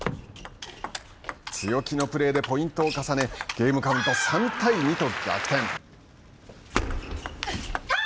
強気のプレーでポイントを重ねゲームカウント３対２と逆転。